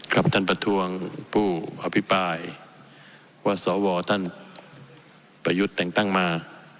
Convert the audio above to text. ท่านประท้วงผู้อภิปรายว่าสวท่านประยุทธ์แต่งตั้งมา